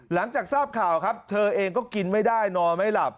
หลังจากทราบข่าวครับเธอเองก็กินไม่ได้นอนไม่หลับ